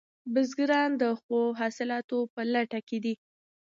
بزګران د ښو حاصلاتو په لټه کې دي.